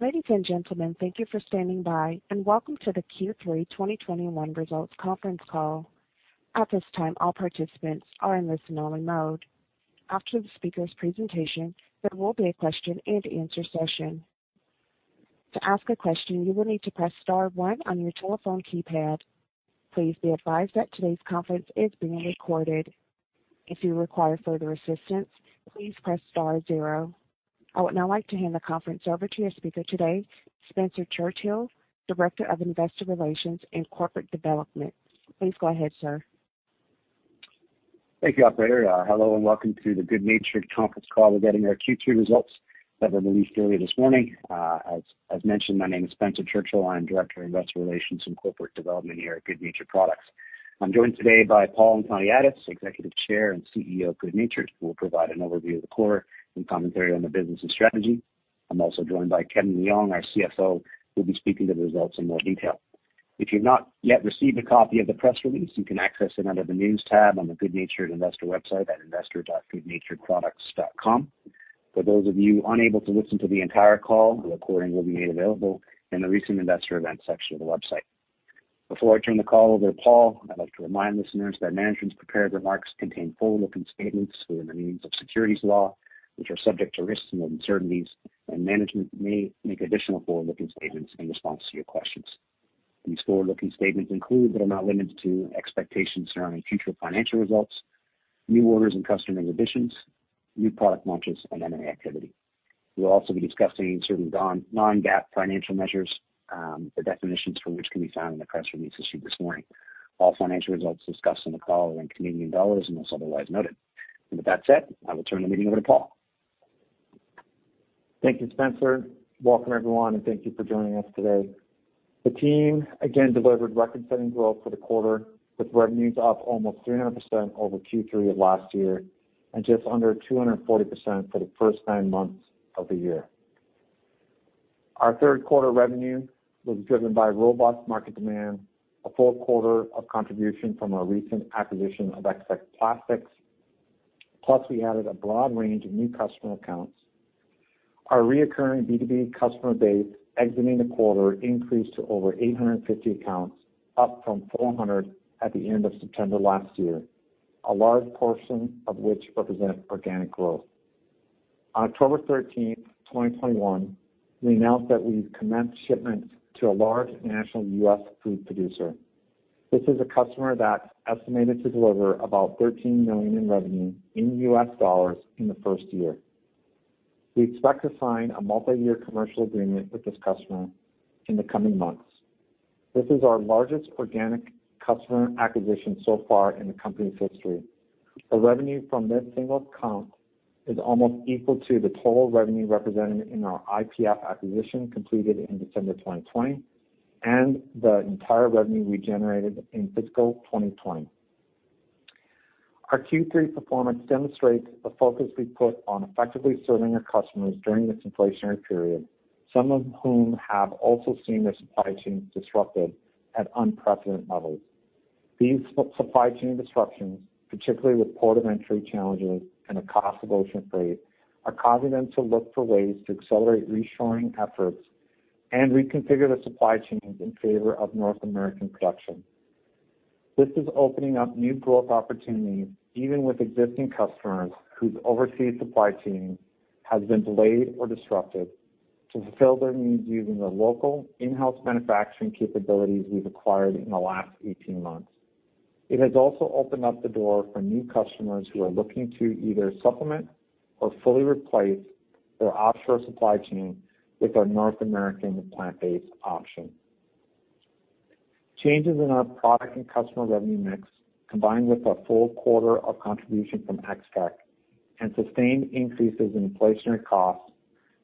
Ladies and gentlemen, thank you for standing by, and welcome to the Q3 2021 Results Conference Call. At this time, all participants are in listen-only mode. After the speaker's presentation, there will be a question-and-answer session. To ask a question, you will need to press star one on your telephone keypad. Please be advised that today's conference is being recorded. If you require further assistance, please press star zero. I would now like to hand the conference over to your speaker today, Spencer Churchill, Director of Investor Relations and Corporate Development. Please go ahead, sir. Thank you, operator. Hello, and welcome to the good natured conference call. We're getting our Q3 results that were released earlier this morning. As mentioned, my name is Spencer Churchill. I am Director of Investor Relations and Corporate Development here at good natured Products. I'm joined today by Paul Antoniadis, Executive Chair and CEO of good natured, who will provide an overview of the quarter and commentary on the business and strategy. I'm also joined by Kevin Leong, our CFO, who'll be speaking to the results in more detail. If you've not yet received a copy of the press release, you can access it under the News tab on the good natured investor website at investor.goodnaturedproducts.com. For those of you unable to listen to the entire call, the recording will be made available in the Recent Investor Events section of the website. Before I turn the call over to Paul, I'd like to remind listeners that management's prepared remarks contain forward-looking statements within the meaning of securities law, which are subject to risks and uncertainties, and management may make additional forward-looking statements in response to your questions. These forward-looking statements include, but are not limited to, expectations surrounding future financial results, new orders and customer acquisitions, new product launches, and M&A activity. We'll also be discussing certain non-GAAP financial measures, the definitions for which can be found in the press release issued this morning. All financial results discussed on the call are in Canadian dollars unless otherwise noted. With that said, I will turn the meeting over to Paul. Thank you, Spencer. Welcome, everyone, and thank you for joining us today. The team again delivered record-setting growth for the quarter, with revenues up almost 300% over Q3 of last year and just under 240% for the first nine months of the year. Our third quarter revenue was driven by robust market demand, a full quarter of contribution from our recent acquisition of Ex-Tech Plastics, plus we added a broad range of new customer accounts. Our recurring B2B customer base exiting the quarter increased to over 850 accounts, up from 400 at the end of September last year, a large portion of which represent organic growth. On October 13, 2021, we announced that we've commenced shipments to a large national U.S. food producer. This is a customer that's estimated to deliver about $13 million in revenue in the first year. We expect to sign a multi-year commercial agreement with this customer in the coming months. This is our largest organic customer acquisition so far in the company's history. The revenue from this single account is almost equal to the total revenue represented in our IPF acquisition completed in December 2020, and the entire revenue we generated in fiscal 2020. Our Q3 performance demonstrates the focus we put on effectively serving our customers during this inflationary period, some of whom have also seen their supply chains disrupted at unprecedented levels. These supply chain disruptions, particularly with port of entry challenges and the cost of ocean freight, are causing them to look for ways to accelerate reshoring efforts and reconfigure their supply chains in favor of North American production. This is opening up new growth opportunities, even with existing customers whose overseas supply chain has been delayed or disrupted, to fulfill their needs using the local in-house manufacturing capabilities we've acquired in the last 18 months. It has also opened up the door for new customers who are looking to either supplement or fully replace their offshore supply chain with our North American plant-based option. Changes in our product and customer revenue mix, combined with a full quarter of contribution from Ex-Tech and sustained increases in inflationary costs,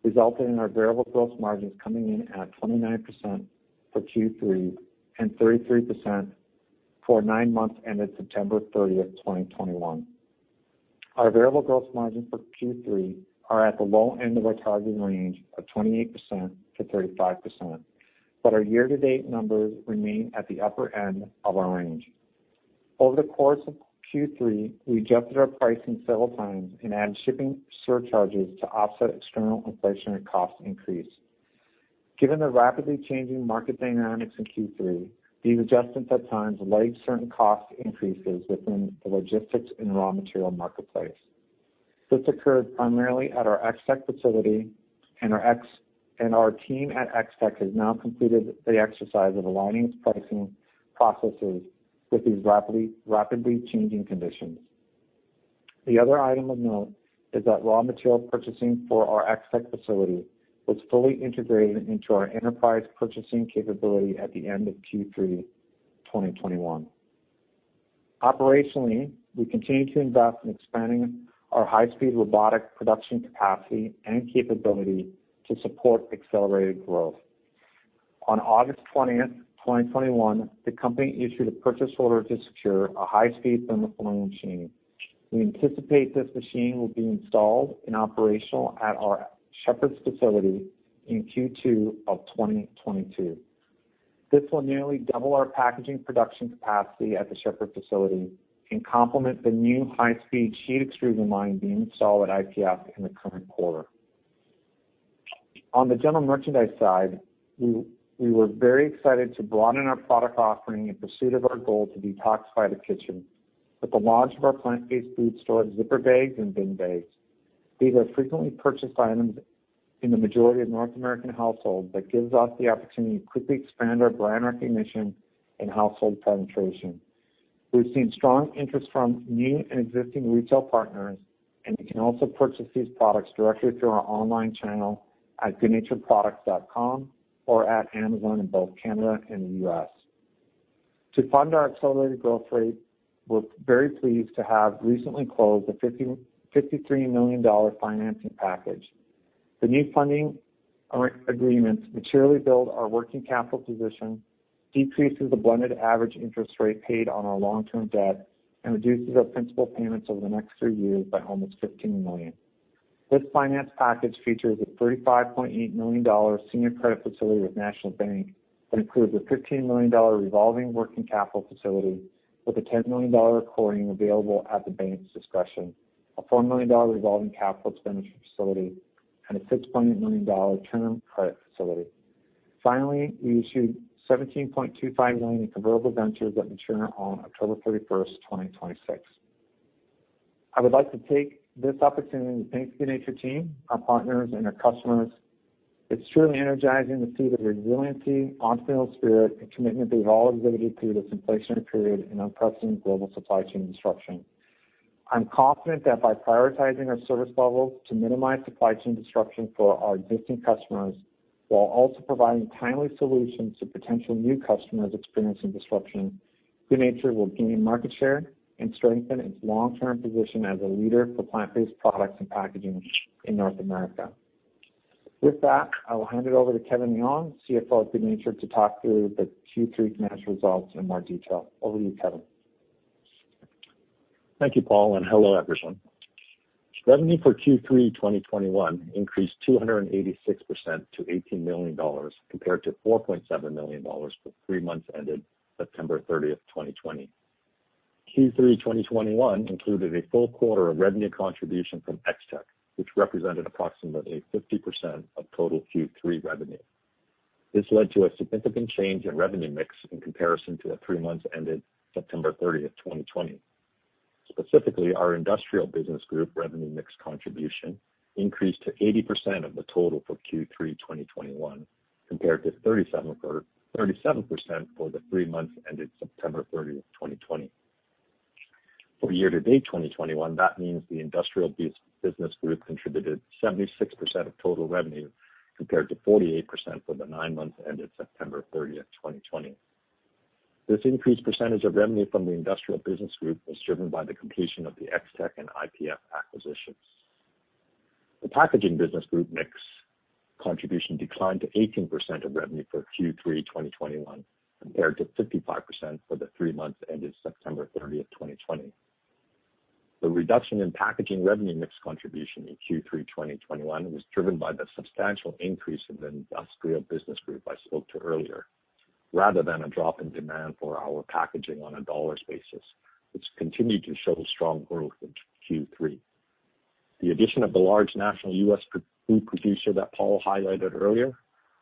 resulted in our variable gross margins coming in at 29% for Q3 and 33% for nine months ended September 30, 2021. Our variable gross margins for Q3 are at the low end of our targeted range of 28%-35%, but our year-to-date numbers remain at the upper end of our range. Over the course of Q3, we adjusted our pricing several times and added shipping surcharges to offset external inflationary cost increase. Given the rapidly changing market dynamics in Q3, these adjustments at times lagged certain cost increases within the logistics and raw material marketplace. This occurred primarily at our Ex-Tech facility, and our team at Ex-Tech has now completed the exercise of aligning its pricing processes with these rapidly changing conditions. The other item of note is that raw material purchasing for our Ex-Tech facility was fully integrated into our enterprise purchasing capability at the end of Q3 2021. Operationally, we continue to invest in expanding our high-speed robotic production capacity and capability to support accelerated growth. On August 20, 2021, the company issued a purchase order to secure a high-speed thermoforming machine. We anticipate this machine will be installed and operational at our Shepherd facility in Q2 of 2022. This will nearly double our packaging production capacity at the Shepherd facility and complement the new high-speed sheet extrusion line being installed at IPF in the current quarter. On the general merchandise side, we were very excited to broaden our product offering in pursuit of our goal to detoxify the kitchen with the launch of our plant-based food storage zipper bags and bin bags. These are frequently purchased items in the majority of North American households that gives us the opportunity to quickly expand our brand recognition and household penetration. We've seen strong interest from new and existing retail partners, and you can also purchase these products directly through our online channel at goodnaturedproducts.com or at Amazon in both Canada and the U.S. To fund our accelerated growth rate, we're very pleased to have recently closed a 55.3 million dollar financing package. The new funding arrangements materially build our working capital position, decreases the blended average interest rate paid on our long-term debt, and reduces our principal payments over the next three years by almost 15 million. This finance package features a 35.8 million dollar senior credit facility with National Bank that includes a 15 million dollar revolving working capital facility with a 10 million dollar accordion available at the bank's discretion, a 4 million dollar revolving capital expenditure facility, and a 6.8 million dollar term credit facility. Finally, we issued 17.25 million in convertible debentures that mature on October 31, 2026. I would like to take this opportunity to thank the good natured team, our partners, and our customers. It's truly energizing to see the resiliency, entrepreneurial spirit, and commitment we've all exhibited through this inflationary period and unprecedented global supply chain disruption. I'm confident that by prioritizing our service levels to minimize supply chain disruption for our existing customers while also providing timely solutions to potential new customers experiencing disruption, good natured will gain market share and strengthen its long-term position as a leader for plant-based products and packaging in North America. With that, I will hand it over to Kevin Leong, CFO at good natured, to talk through the Q3 financial results in more detail. Over to you, Kevin. Thank you, Paul, and hello, everyone. Revenue for Q3 2021 increased 286% to 18 million dollars compared to 4.7 million dollars for three months ended September 30, 2020. Q3 2021 included a full quarter of revenue contribution from Ex-Tech, which represented approximately 50% of total Q3 revenue. This led to a significant change in revenue mix in comparison to the three months ended September 30, 2020. Specifically, our industrial business group revenue mix contribution increased to 80% of the total for Q3 2021, compared to 37% for the three months ended September 30, 2020. For year-to-date 2021, that means the industrial business group contributed 76% of total revenue compared to 48% for the nine months ended September 30, 2020. This increased percentage of revenue from the industrial business group was driven by the completion of the Ex-Tech and IPF acquisitions. The packaging business group mix contribution declined to 18% of revenue for Q3 2021, compared to 55% for the three months ended September 30, 2020. The reduction in packaging revenue mix contribution in Q3 2021 was driven by the substantial increase in the industrial business group I spoke to earlier, rather than a drop in demand for our packaging on a dollars basis, which continued to show strong growth in Q3. The addition of the large national U.S. food producer that Paul highlighted earlier,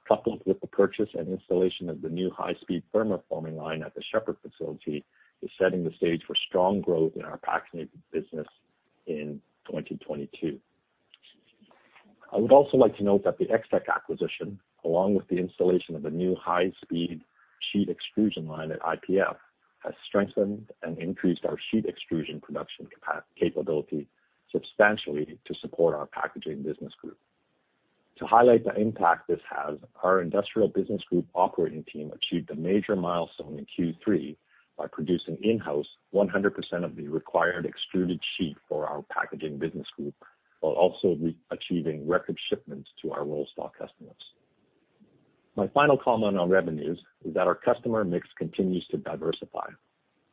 coupled with the purchase and installation of the new high-speed thermoforming line at the Shepherd facility, is setting the stage for strong growth in our packaging business in 2022. I would also like to note that the Ex-Tech acquisition, along with the installation of a new high-speed sheet extrusion line at IPF, has strengthened and increased our sheet extrusion production capability substantially to support our packaging business group. To highlight the impact this has, our industrial business group operating team achieved a major milestone in Q3 by producing in-house 100% of the required extruded sheet for our packaging business group, while also re-achieving record shipments to our rollstock customers. My final comment on revenues is that our customer mix continues to diversify,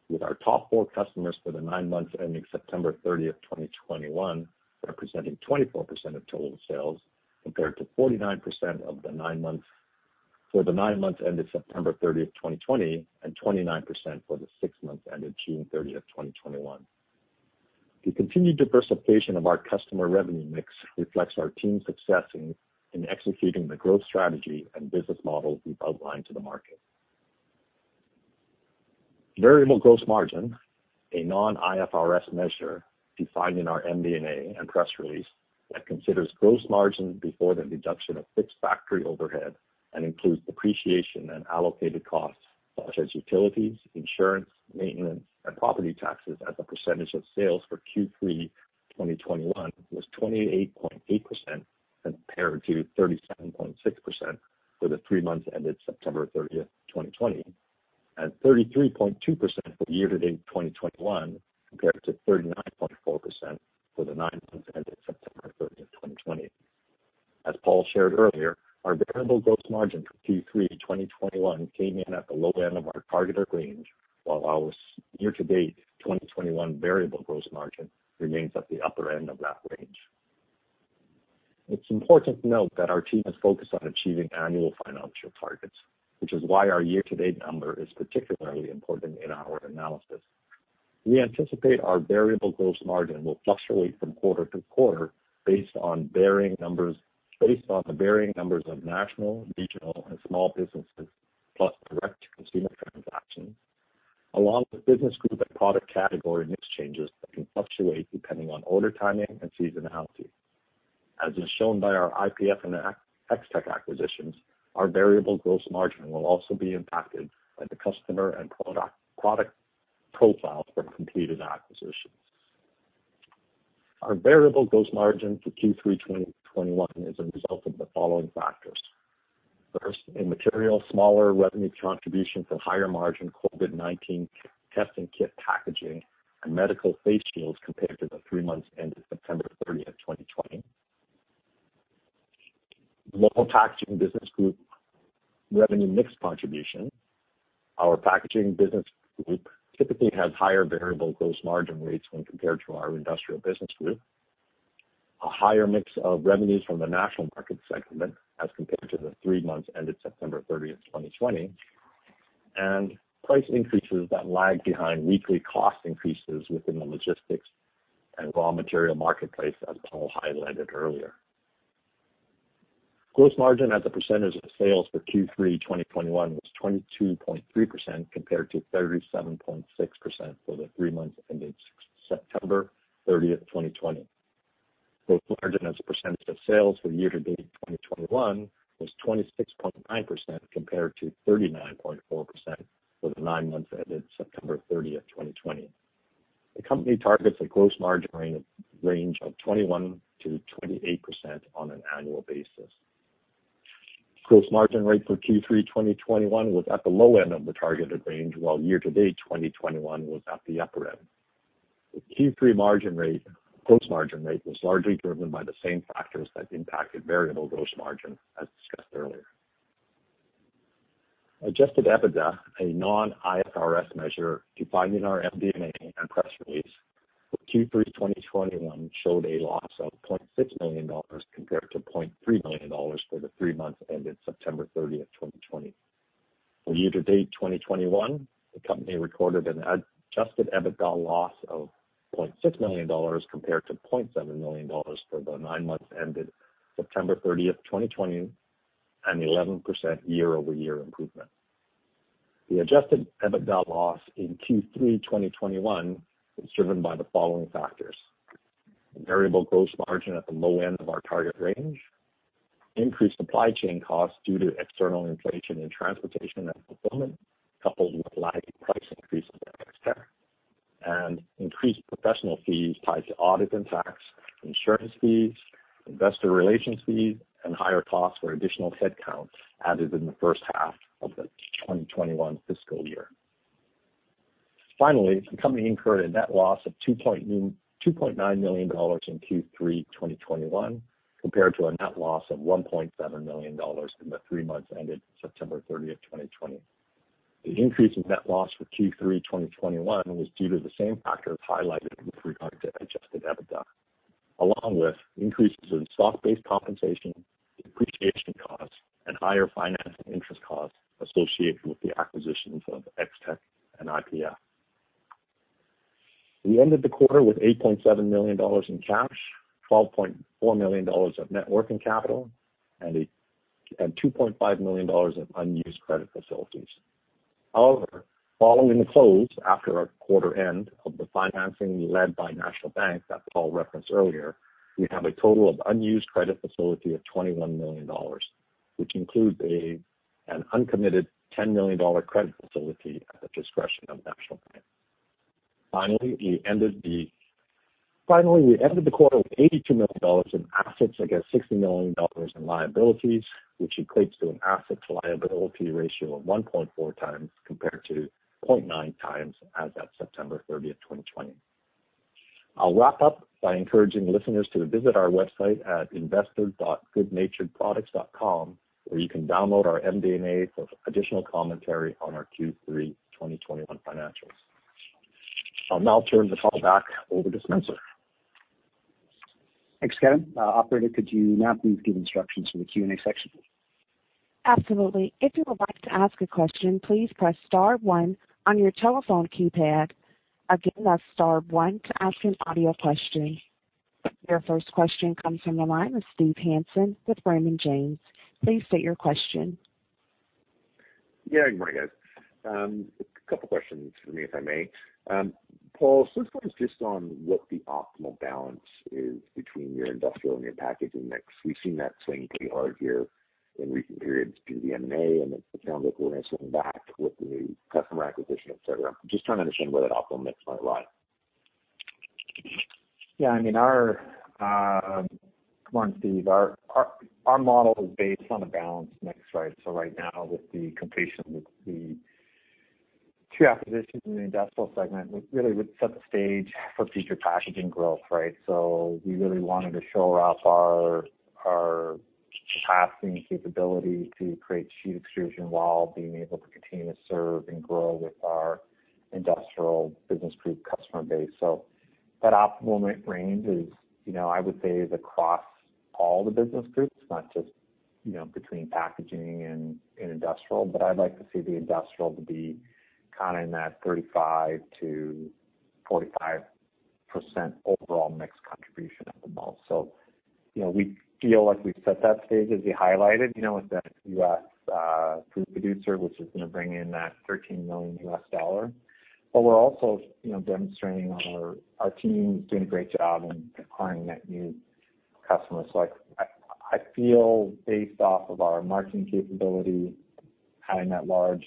with our top four customers for the nine months ending September 30, 2021, representing 24% of total sales, compared to 49% for the nine months ended September 30, 2020, and 29% for the six months ended June 30, 2021. The continued diversification of our customer revenue mix reflects our team's success in executing the growth strategy and business model we've outlined to the market. Variable gross margin, a non-IFRS measure defined in our MD&A and press release that considers gross margin before the deduction of fixed factory overhead and includes depreciation and allocated costs such as utilities, insurance, maintenance, and property taxes as a percentage of sales for Q3 2021 was 28.8% compared to 37.6% for the three months ended September 30, 2020, and 33.2% for year-to-date 2021 compared to 39.4% for the nine months ended September 30, 2020. As Paul shared earlier, our variable gross margin for Q3 2021 came in at the low end of our targeted range, while our year-to-date 2021 variable gross margin remains at the upper end of that range. It's important to note that our team is focused on achieving annual financial targets, which is why our year-to-date number is particularly important in our analysis. We anticipate our variable gross margin will fluctuate from quarter to quarter based on the varying numbers of national, regional, and small businesses, plus direct consumer transactions, along with business group and product category mix changes that can fluctuate depending on order timing and seasonality. As is shown by our IPF and Ex-Tech acquisitions, our variable gross margin will also be impacted by the customer and product profile for completed acquisitions. Our variable gross margin for Q3 2021 is a result of the following factors. First, a materially smaller revenue contribution from higher margin COVID-19 testing kit packaging and medical face shields compared to the three months ended September 30, 2020. Lower packaging business group revenue mix contribution, our packaging business group typically has higher variable gross margin rates when compared to our industrial business group. A higher mix of revenues from the national market segment as compared to the three months ended September 30, 2020, and price increases that lag behind weekly cost increases within the logistics and raw material marketplace, as Paul highlighted earlier. Gross margin as a percentage of sales for Q3 2021 was 22.3% compared to 37.6% for the three months ended September 30, 2020. Gross margin as a percentage of sales for year-to-date 2021 was 26.9% compared to 39.4% for the nine months ended September 30, 2020. The company targets a gross margin range of 21%-28% on an annual basis. Gross margin rate for Q3 2021 was at the low end of the targeted range, while year-to-date 2021 was at the upper end. The Q3 gross margin rate was largely driven by the same factors that impacted variable gross margin as discussed earlier. Adjusted EBITDA, a non-IFRS measure defined in our MD&A and press release for Q3 2021, showed a loss of 0.6 million dollars compared to 0.3 million dollars for the three months ended September 30, 2020. For year-to-date 2021, the company recorded an adjusted EBITDA loss of 0.6 million dollars compared to 0.7 million dollars for the nine months ended September 30, 2020, an 11% year-over-year improvement. The adjusted EBITDA loss in Q3 2021 was driven by variable gross margin at the low end of our target range, increased supply chain costs due to external inflation in transportation and fulfillment, coupled with lagging price increases at Ex-Tech, increased professional fees tied to audit and tax, insurance fees, investor relations fees, and higher costs for additional headcount added in the first half of the 2021 fiscal year. Finally, the company incurred a net loss of 2.9 million dollars in Q3 2021, compared to a net loss of 1.7 million dollars in the three months ended September 30, 2020. The increase in net loss for Q3 2021 was due to the same factors highlighted with regard to adjusted EBITDA, along with increases in stock-based compensation, depreciation costs, and higher finance and interest costs associated with the acquisitions of Ex-Tech and IPF. We ended the quarter with 8.7 million dollars in cash, 12.4 million dollars of net working capital, and 2.5 million dollars of unused credit facilities. However, following the close after our quarter end of the financing led by National Bank that Paul referenced earlier, we have a total of unused credit facility of 21 million dollars, which includes an uncommitted 10 million dollar credit facility at the discretion of National Bank. Finally, we ended the... Finally, we ended the quarter with 82 million dollars in assets against 60 million dollars in liabilities, which equates to an asset to liability ratio of 1.4x compared to 0.9x as at September 30, 2020. I'll wrap up by encouraging listeners to visit our website at investor.goodnaturedproducts.com, where you can download our MD&A for additional commentary on our Q3 2021 financials. I'll now turn the call back over to Spencer. Thanks, Ken. Operator, could you now please give instructions for the Q&A section? Absolutely. If you would like to ask a question, please press star one on your telephone keypad. Again, that's star one to ask an audio question. Your first question comes from the line of Steve Hansen with Raymond James. Please state your question. Yeah, good morning, guys. A couple questions for me, if I may. Paul, let's focus just on what the optimal balance is between your industrial and your packaging mix. We've seen that swing pretty hard here in recent periods due to the M&A, and then it sounds like we're gonna swing back with the new customer acquisition, et cetera. I'm just trying to understand where that optimal mix might lie. Yeah, I mean, our model is based on a balanced mix, right? Right now, with the completion of the two acquisitions in the industrial segment, we really would set the stage for future packaging growth, right? We really wanted to show off our capacity and capability to create sheet extrusion while being able to continue to serve and grow with our industrial business group customer base. That optimal range is, you know, I would say across all the business groups, not just, you know, between packaging and industrial. I'd like to see the industrial to be kind of in that 35%-45% overall mix contribution at the most. You know, we feel like we've set that stage, as you highlighted, you know, with that U.S. food producer, which is gonna bring in that $13 million. We're also, you know, our team is doing a great job in acquiring that new customer. Like I feel based off of our marketing capability, having that large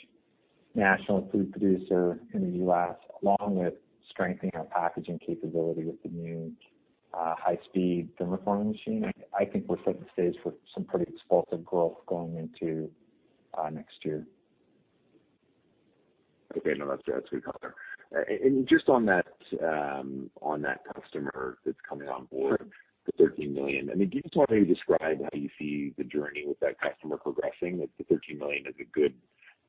national food producer in the U.S., along with strengthening our packaging capability with the new high-speed thermoforming machine, I think we're set the stage for some pretty explosive growth going into next year. Okay. No, that's good. That's a good color. And just on that, on that customer that's coming on board, the $13 million, I mean, do you just want maybe describe how you see the journey with that customer progressing, if the $13 million is a good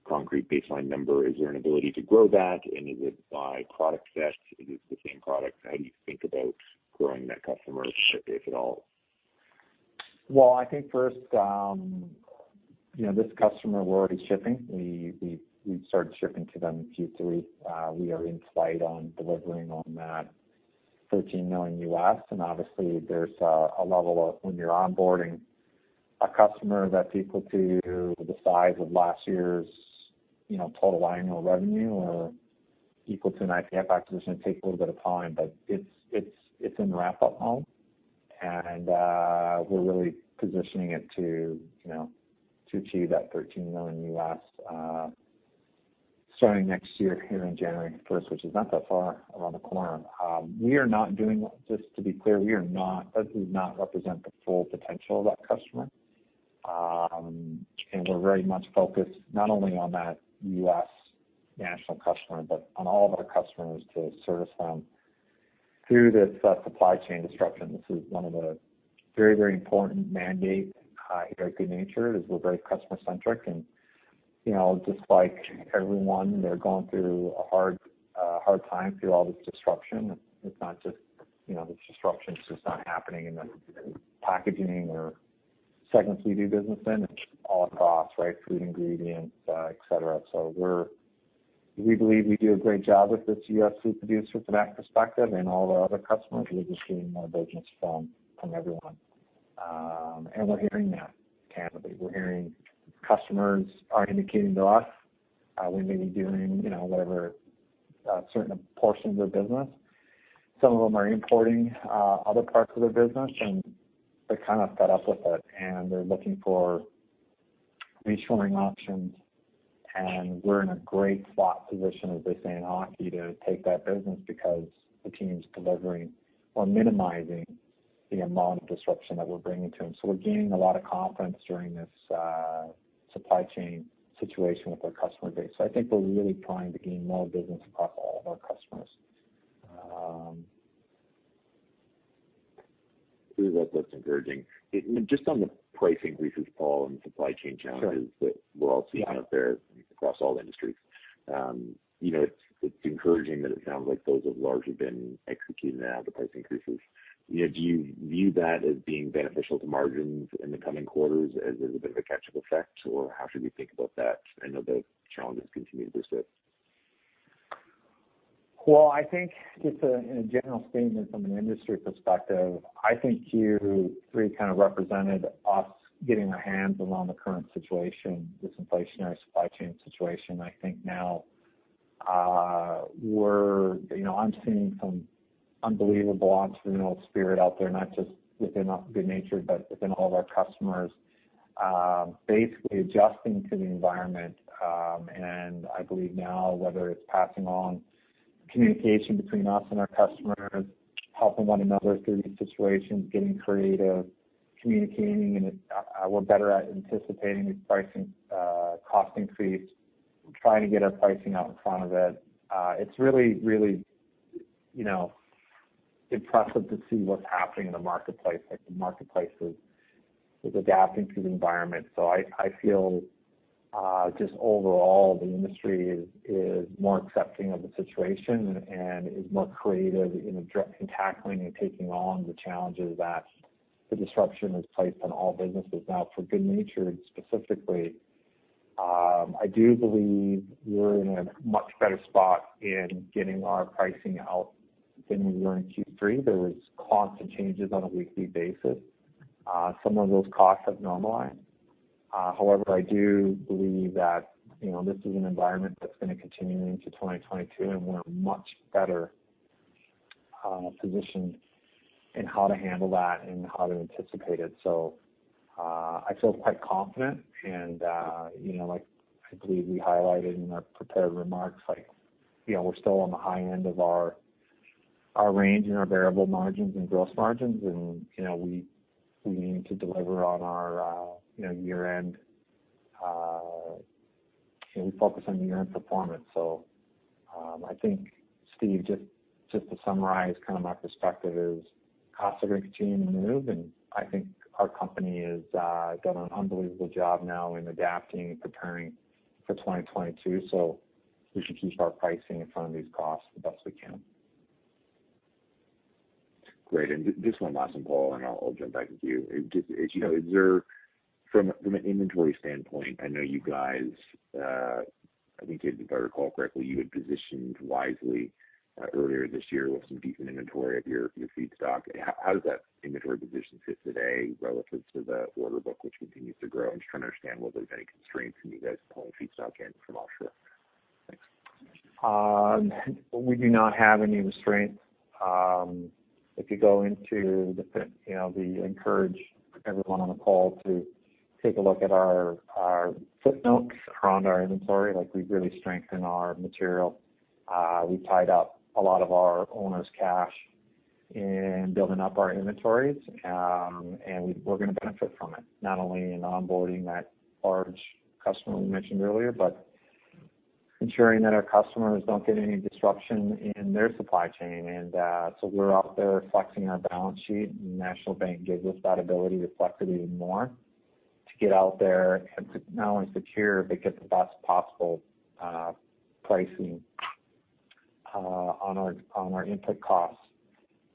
concrete baseline number? Is there an ability to grow that? And is it by product set? Is it the same products? How do you think about growing that customer, if at all? Well, I think first, you know, this customer we're already shipping. We've started shipping to them in Q3. We are in flight on delivering on that $13 million. Obviously, there's a level of when you're onboarding a customer that's equal to the size of last year's, you know, total annual revenue. It's actually gonna take a little bit of time, but it's ramping up now. We're really positioning it to, you know, to achieve that $13 million, starting next year here on January first, which is not that far around the corner. Just to be clear, we are not. That does not represent the full potential of that customer. We're very much focused not only on that U.S. national customer, but on all of our customers to service them through this supply chain disruption. This is one of the very, very important mandate here at good natured, is we're very customer centric. You know, just like everyone, they're going through a hard time through all this disruption. It's not just, you know, this disruption is just not happening in the packaging or segments we do business in. It's all across, right? Food, ingredients, et cetera. We believe we do a great job with this U.S. food producer from that perspective and all of our other customers. We're just getting more business from everyone. We're hearing that candidly. We're hearing customers are indicating to us, we may be doing, you know, whatever, certain portions of business. Some of them are importing other parts of their business, and they're kind of fed up with it, and they're looking for reshoring options. We're in a great spot position, as they say in hockey, to take that business because the team's delivering or minimizing the amount of disruption that we're bringing to them. We're gaining a lot of confidence during this supply chain situation with our customer base. I think we're really trying to gain more business across all of our customers. Really well. That's encouraging. Just on the price increases, Paul, and supply chain challenges. Sure. That we're all seeing out there across all industries, you know, it's encouraging that it sounds like those have largely been executed now, the price increases. You know, do you view that as being beneficial to margins in the coming quarters as a bit of a catch-up effect? Or how should we think about that? I know the challenges continue to persist. Well, I think just a in a general statement from an industry perspective, I think Q3 kind of represented us getting our hands around the current situation, this inflationary supply chain situation. I think now, we're you know, I'm seeing some unbelievable entrepreneurial spirit out there, not just within good natured, but within all of our customers, basically adjusting to the environment. I believe now, whether it's passing on communication between us and our customers, helping one another through these situations, getting creative, communicating, we're better at anticipating these pricing cost increase. We're trying to get our pricing out in front of it. It's really you know, impressive to see what's happening in the marketplace, like the marketplace is adapting to the environment. I feel just overall the industry is more accepting of the situation and is more creative in addressing, tackling, and taking on the challenges that the disruption has placed on all businesses. Now for good natured specifically, I do believe we're in a much better spot in getting our pricing out than we were in Q3. There was constant changes on a weekly basis. Some of those costs have normalized. However, I do believe that, you know, this is an environment that's gonna continue into 2022, and we're much better positioned in how to handle that and how to anticipate it. I feel quite confident and, you know, like I believe we highlighted in our prepared remarks, like, you know, we're still on the high end of our range in our variable margins and gross margins. We need to deliver on our year-end. We focus on year-end performance. I think, Steve, just to summarize kind of my perspective is costs are gonna continue to move, and I think our company has done an unbelievable job now in adapting and preparing for 2022. We should keep our pricing in front of these costs the best we can. Great. Just one last one, Paul, and I'll jump back with you. Just as you know, from an inventory standpoint, I know you guys. I think if I recall correctly, you had positioned wisely earlier this year with some decent inventory of your feedstock. How does that inventory position sit today relative to the order book, which continues to grow? I'm just trying to understand whether there's any constraints from you guys pulling feedstock in from offshore. Thanks. We do not have any restraints. If you go into the you know, we encourage everyone on the call to take a look at our footnotes around our inventory, like we've really strengthened our material. We've tied up a lot of our owners' cash in building up our inventories, and we're gonna benefit from it, not only in onboarding that large customer we mentioned earlier, but ensuring that our customers don't get any disruption in their supply chain. We're out there flexing our balance sheet, and National Bank gives us that ability to flex it even more to get out there and to not only secure, but get the best possible pricing on our input costs.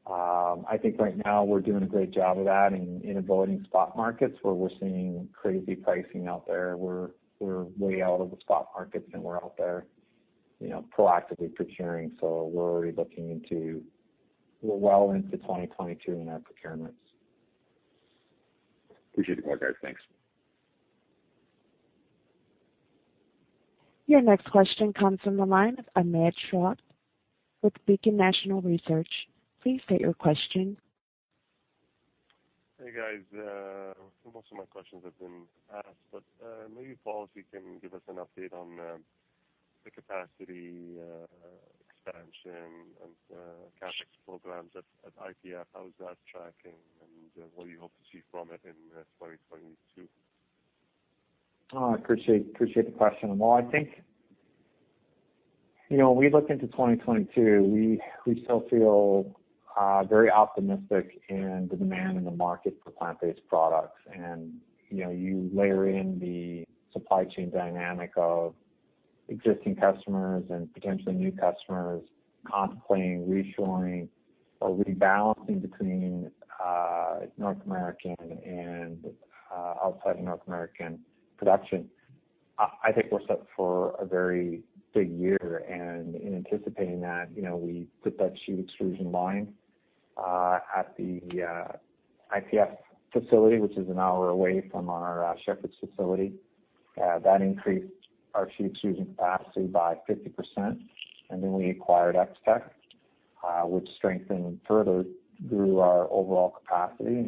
I think right now we're doing a great job of that and in avoiding spot markets where we're seeing crazy pricing out there. We're way out of the spot markets, and we're out there, you know, proactively procuring. We're well into 2022 in our procurements. Appreciate the color, guys. Thanks. Your next question comes from the line of Ahmad Shaath with Beacon Securities. Please state your question. Hey, guys. Most of my questions have been asked, but maybe, Paul, if you can give us an update on the capacity expansion and CapEx programs at IPF. How is that tracking, and what do you hope to see from it in 2022? I appreciate the question. Well, I think, you know, when we look into 2022, we still feel very optimistic in the demand in the market for plant-based products. You know, you layer in the supply chain dynamic of existing customers and potentially new customers contemplating reshoring or rebalancing between North American and outside of North American production. I think we're set for a very big year. In anticipating that, you know, we put that sheet extrusion line at the IPF facility, which is an hour away from our Shepherd facility. That increased our sheet extrusion capacity by 50%. Then we acquired Ex-Tech, which strengthened and further grew our overall capacity.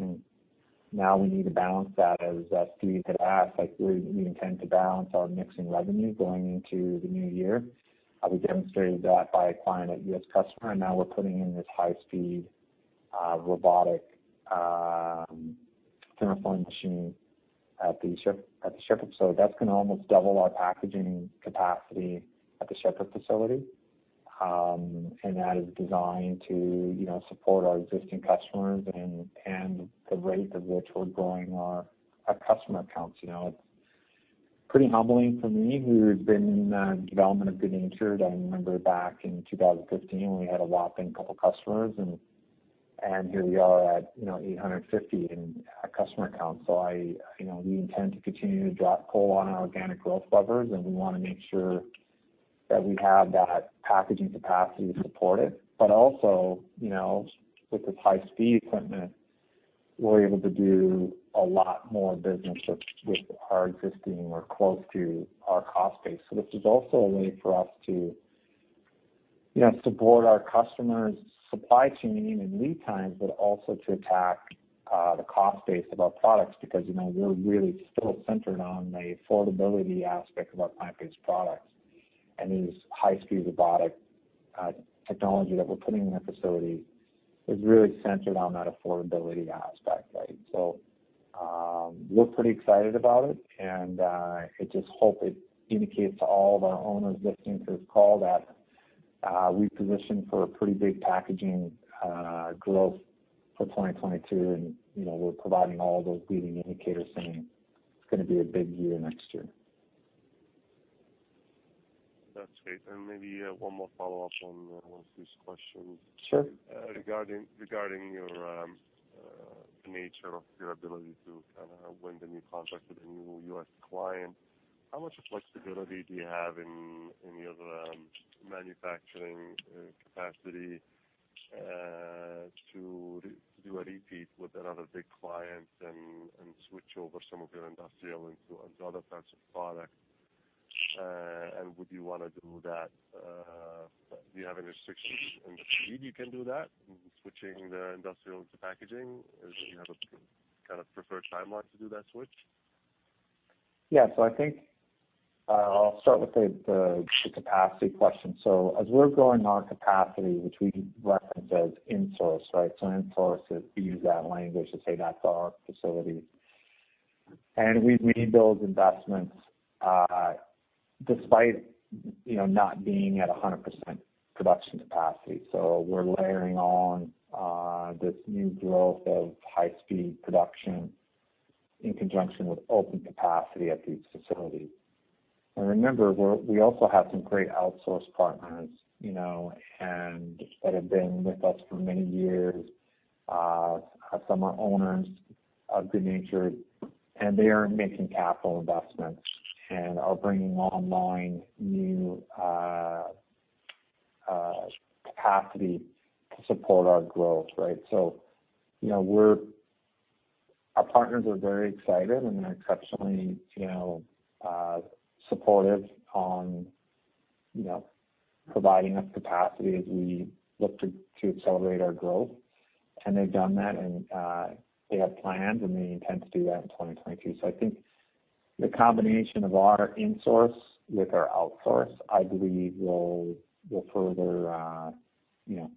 Now we need to balance that. As Steve had asked, like we intend to balance our mixing revenue going into the new year. We demonstrated that by acquiring a U.S. customer, and now we're putting in this high-speed robotic thermoforming machine at the Shepherd. That's gonna almost double our packaging capacity at the Shepherd facility. And that is designed to, you know, support our existing customers and the rate at which we're growing our customer counts. You know, it's pretty humbling for me who has been in the development of good natured. I remember back in 2015 when we had a whopping couple customers and here we are at, you know, 850 in our customer count. You know, we intend to continue to double down on our organic growth levers, and we wanna make sure that we have that packaging capacity to support it. But also, you know, with this high-speed equipment, we're able to do a lot more business with our existing or close to our cost base. This is also a way for us to, you know, support our customers' supply chain and lead times, but also to attack the cost base of our products because, you know, we're really still centered on the affordability aspect of our plant-based products. These high-speed robotic technology that we're putting in that facility is really centered on that affordability aspect, right? We're pretty excited about it, and I just hope it indicates to all of our owners listening to this call that we position for a pretty big packaging growth for 2022. You know, we're providing all those leading indicators saying it's gonna be a big year next year. That's great. Maybe, one more follow-up on one of Steve's questions. Sure. Regarding your ability to kind of win the new contract with the new U.S. client, how much flexibility do you have in your manufacturing capacity to do a repeat with another big client and switch over some of your industrial into another types of product? Would you wanna do that? Do you have any restrictions in the field you can do that in switching the industrial into packaging? Do you have a kind of preferred timeline to do that switch? Yeah. I think I'll start with the capacity question. As we're growing our capacity, which we reference as insource, right? Insourced is we use that language to say that's our facility. We've made those investments, despite you know, not being at 100% production capacity. We're layering on this new growth of high speed production in conjunction with open capacity at these facilities. Remember, we also have some great outsource partners, you know, and they have been with us for many years. Some are owners of good natured, and they are making capital investments and are bringing online new capacity to support our growth, right? You know, our partners are very excited, and they're exceptionally you know supportive on you know providing us capacity as we look to accelerate our growth. They've done that, and they have plans, and they intend to do that in 2022. I think the combination of our insource with our outsource, I believe will further, you know,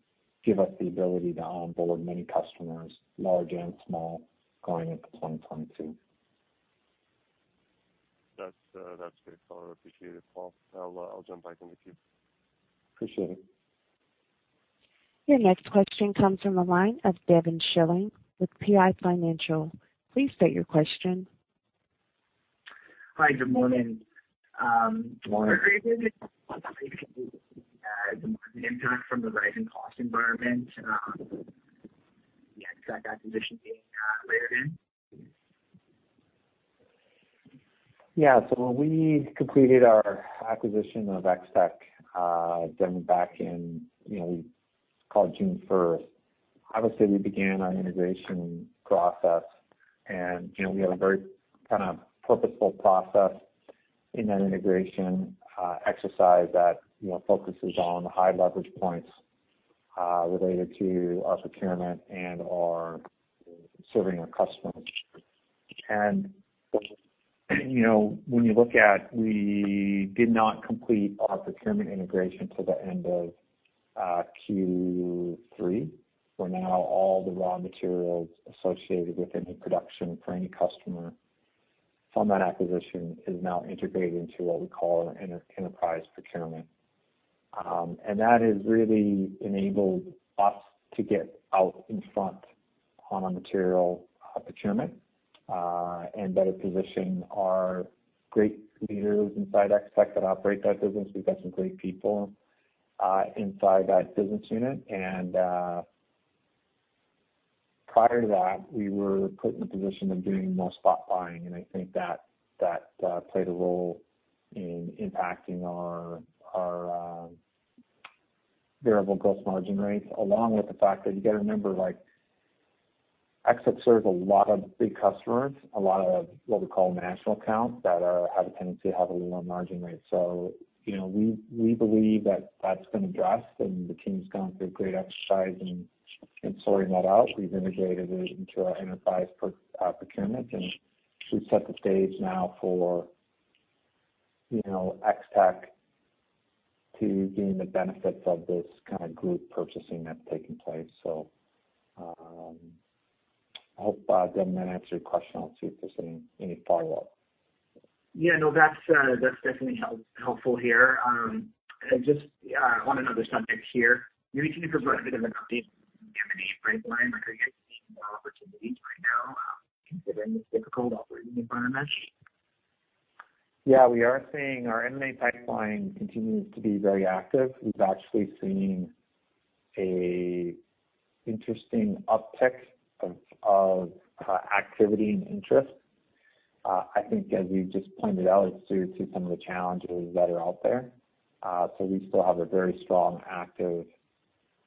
give us the ability to onboard many customers, large and small, going into 2022. That's great. I appreciate it, Paul. I'll jump back in the queue. Appreciate it. Your next question comes from the line of Devin Schilling with PI Financial. Please state your question. Hi. Good morning. Good morning. I was wondering if you could speak to the impact from the rising cost environment on the Ex-Tech acquisition being layered in. When we completed our acquisition of Ex-Tech, done back in, call it June first, obviously, we began our integration process. We have a very kind of purposeful process in that integration exercise that focuses on high leverage points related to our procurement and our serving our customers. When you look at, we did not complete our procurement integration till the end of Q3, where now all the raw materials associated with any production for any customer from that acquisition is now integrated into what we call our enterprise procurement. That has really enabled us to get out in front on our material procurement and better position our great leaders inside Ex-Tech that operate that business. We've got some great people inside that business unit. Prior to that, we were put in the position of doing more spot buying, and I think that played a role in impacting our variable gross margin rates, along with the fact that you gotta remember, like, Ex-Tech serves a lot of big customers, a lot of what we call national accounts that have a tendency to have a lower margin rate. You know, we believe that that's been addressed, and the team's gone through a great exercise in sorting that out. We've integrated it into our enterprise procurement, and we've set the stage now for, you know, Ex-Tech to gain the benefits of this kind of group purchasing that's taking place. I hope, Devin, that answered your question. I'll see if there's any follow-up. Yeah. No. That's definitely helpful here. Just on another subject here. Maybe can you provide a bit of an update on the M&A pipeline? Are you guys seeing more opportunities right now, given this difficult operating environment? Yeah. We are seeing our M&A pipeline continues to be very active. We've actually seen an interesting uptick of activity and interest. I think as we've just pointed out, it's due to some of the challenges that are out there. We still have a very strong, active,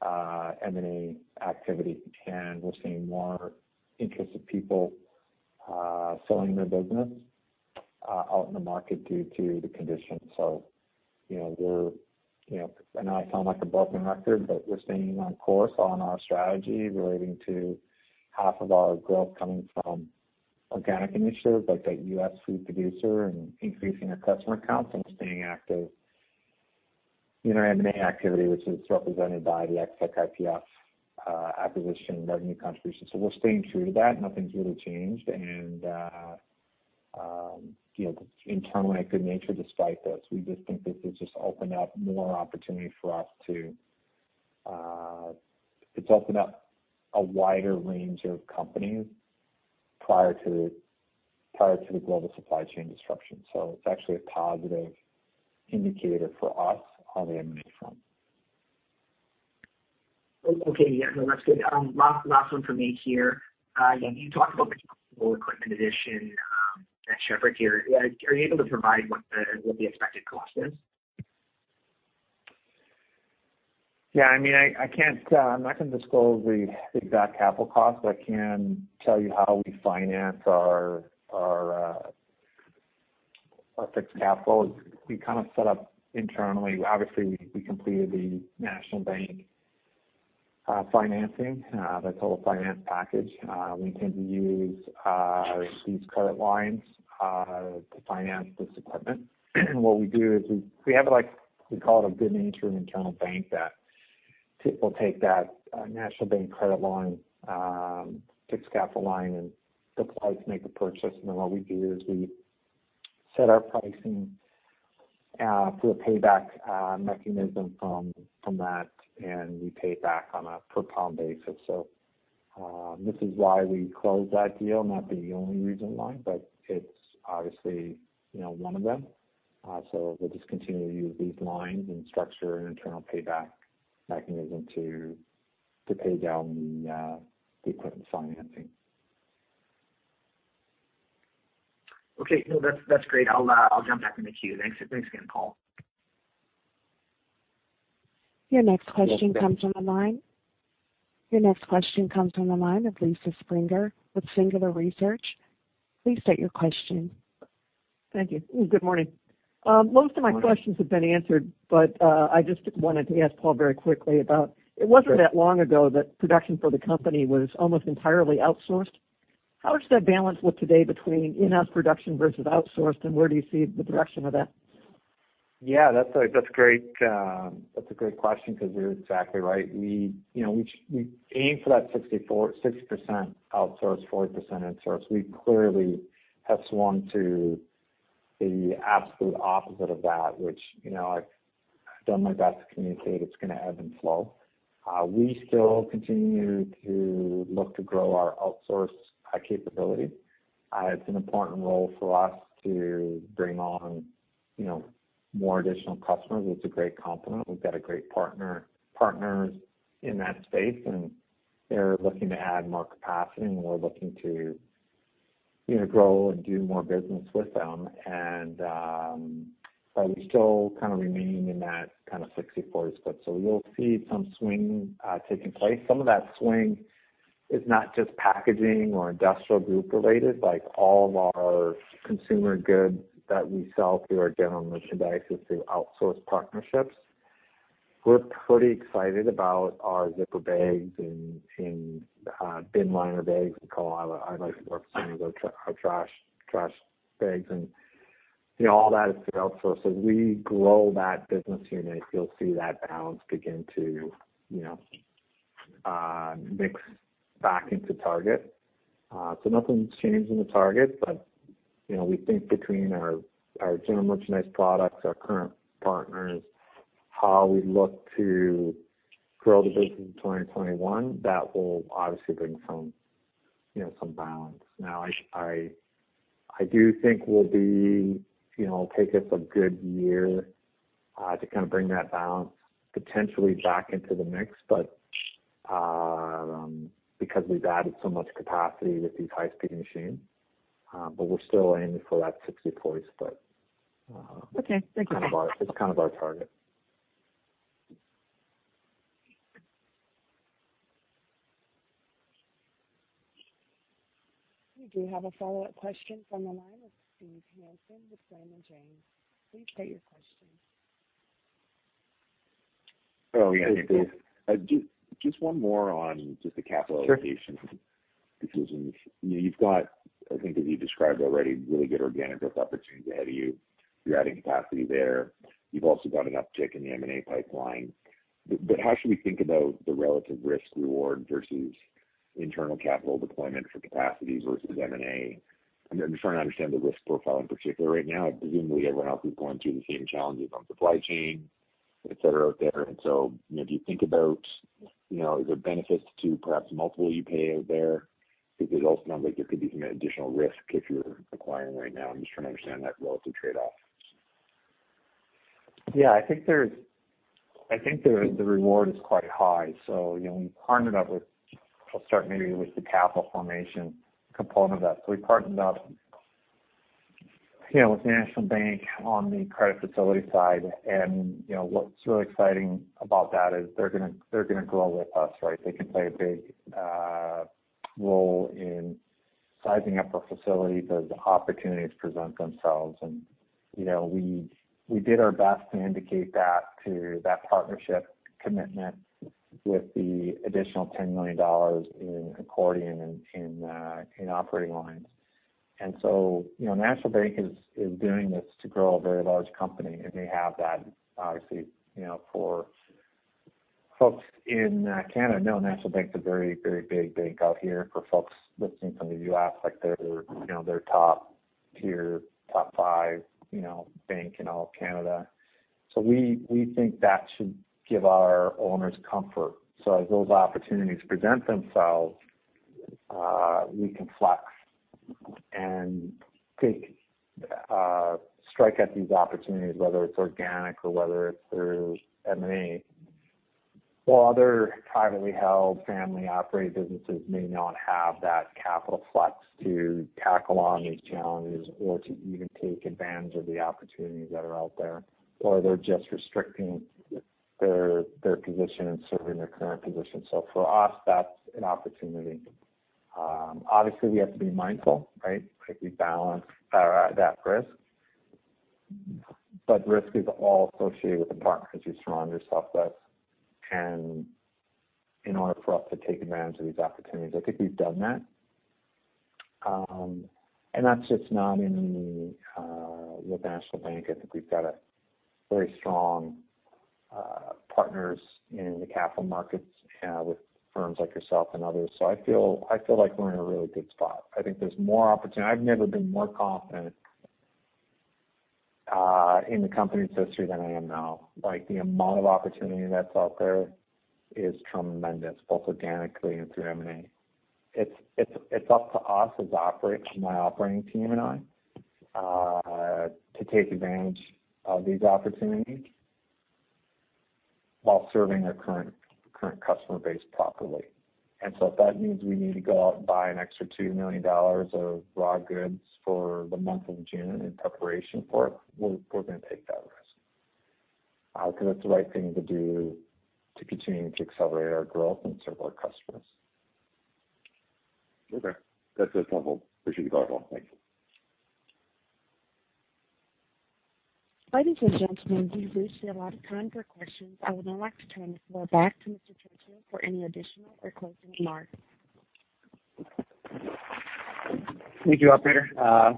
M&A activity, and we're seeing more interest of people selling their business out in the market due to the conditions. You know, we're, you know. I know I sound like a broken record, but we're staying on course on our strategy relating to half of our growth coming from organic initiatives like that U.S. food producer and increasing our customer counts and staying active in our M&A activity, which is represented by the Ex-Tech IPF acquisition revenue contribution. We're staying true to that. Nothing's really changed. Internally at good natured despite this, we just think this has just opened up more opportunity for us. It's opened up a wider range of companies prior to the global supply chain disruption. It's actually a positive indicator for us on the M&A front. Okay. Yeah. No. That's good. Last one for me here. Yeah, you talked about the equipment addition at Shepherd here. Are you able to provide what the expected cost is? Yeah. I mean, I can't, I'm not gonna disclose the exact capital cost, but I can tell you how we finance our fixed capital is we kind of set up internally. Obviously, we completed the National Bank financing, that total finance package. We tend to use these credit lines to finance this equipment. What we do is we have, like, we call it a good natured internal bank that people take that National Bank credit line, fixed capital line, and then make a purchase. What we do is we set our pricing through a payback mechanism from that, and we pay it back on a per pound basis. This is why we closed that deal, not the only reason why, but it's obviously, you know, one of them. We'll just continue to use these lines and structure an internal payback mechanism to pay down the equipment financing. Okay. No, that's great. I'll jump back in the queue. Thanks. Thanks again, Paul. Your next question comes from the line of Lisa Springer with Singular Research. Please state your question. Thank you. Good morning. Most of my questions have been answered, but, I just wanted to ask Paul very quickly about, it wasn't that long ago that production for the company was almost entirely outsourced. How does that balance look today between in-house production versus outsourced, and where do you see the direction of that? Yeah, that's great. That's a great question because you're exactly right. We aim for that 60% outsourced, 40% insourced. We clearly have swung to the absolute opposite of that, which, you know, I've done my best to communicate, it's gonna ebb and flow. We still continue to look to grow our outsourced capability. It's an important role for us to bring on, you know, more additional customers. It's a great complement. We've got a great partner, partners in that space, and they're looking to add more capacity, and we're looking to, you know, grow and do more business with them. We still kind of remaining in that kind of 60/40 split. You'll see some swing taking place. Some of that swing is not just packaging or industrial group related, like all of our consumer goods that we sell through our general merchandise is through outsourced partnerships. We're pretty excited about our zipper bags and bin liner bags. We call our, I like to refer to them as our trash bags. You know, all that is through outsourcing. We grow that business unit, you'll see that balance begin to, you know, mix back into target. Nothing's changed in the target, but you know, we think between our general merchandise products, our current partners, how we look to grow the business in 2021, that will obviously bring some, you know, some balance. Now I do think it'll take us a good year, you know, to kind of bring that balance potentially back into the mix, but because we've added so much capacity with these high-speed machines, but we're still aiming for that 60/40 split. Okay. Thank you. It's kind of our target. We do have a follow-up question from the line with Steve Hansen with Raymond James. Please state your question. Oh, yeah. Hey, Steve. Just one more on the capital allocation decisions. You know, you've got, I think as you described already, really good organic growth opportunities ahead of you. You're adding capacity there. You've also got an uptick in the M&A pipeline. But how should we think about the relative risk reward versus internal capital deployment for capacity versus M&A? I'm trying to understand the risk profile in particular right now. Presumably, everyone else is going through the same challenges on supply chain, et cetera, out there. You know, do you think about, you know, is there benefits to perhaps multiples you pay out there? Because ultimately, there could be some additional risk if you're acquiring right now. I'm just trying to understand that relative trade-off. Yeah, I think the reward is quite high. You know, we partnered up with. I'll start maybe with the capital formation component of that. We partnered up, you know, with National Bank on the credit facility side. You know, what's really exciting about that is they're gonna grow with us, right? They can play a big role in sizing up our facilities as opportunities present themselves. You know, we did our best to indicate that partnership commitment with the additional 10 million dollars in accordion in operating lines. You know, National Bank is doing this to grow a very large company, and they have that obviously, you know. For folks in Canada know National Bank is a very, very big bank out here. For folks listening from the U.S., like, they're, you know, they're top-tier, top 5, you know, bank in all of Canada. We think that should give our owners comfort. As those opportunities present themselves, we can flex and take strike at these opportunities, whether it's organic or whether it's through M&A. While other privately held family operated businesses may not have that capital flex to tackle on these challenges or to even take advantage of the opportunities that are out there, or they're just restricting their position and serving their current position. For us, that's an opportunity. Obviously, we have to be mindful, right? Like we balance that risk. Risk is all associated with the partners you surround yourself with. In order for us to take advantage of these opportunities, I think we've done that. That's just not in the with National Bank. I think we've got a very strong partners in the capital markets with firms like yourself and others. I feel like we're in a really good spot. I think there's more opportunity. I've never been more confident in the company's history than I am now. Like, the amount of opportunity that's out there is tremendous, both organically and through M&A. It's up to us as my operating team and I to take advantage of these opportunities while serving our current customer base properly. If that means we need to go out and buy an extra 2 million dollars of raw goods for the month of June in preparation for it, we're gonna take that risk, because that's the right thing to do to continue to accelerate our growth and serve our customers. Okay. That's it, Paul. Appreciate the call. Thank you. Ladies and gentlemen, we've reached the allotted time for questions. I would now like to turn the floor back to Spencer Churchill for any additional or closing remarks. Thank you, operator.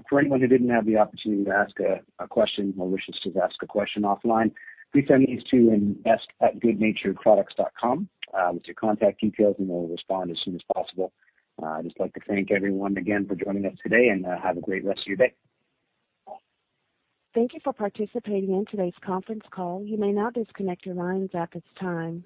For anyone who didn't have the opportunity to ask a question or wishes to ask a question offline, please send these to invest@goodnaturedproducts.com with your contact details, and we'll respond as soon as possible. I'd just like to thank everyone again for joining us today, and have a great rest of your day. Thank you for participating in today's conference call. You may now disconnect your lines at this time.